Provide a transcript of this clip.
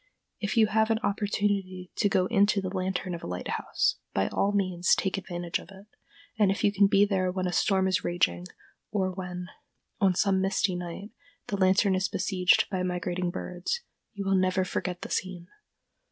If you have an opportunity to go into the lantern of a lighthouse, by all means take advantage of it; and if you can be there when a storm is raging, or when, on some misty night, the lantern is besieged by migrating birds, you will never forget the scene.